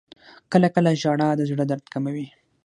• کله کله ژړا د زړه درد کموي.